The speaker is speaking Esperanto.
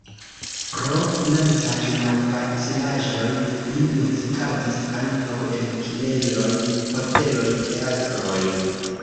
Pro financaj malfacilaĵoj li muzikadis ankaŭ en kinejoj, hoteloj, teatroj.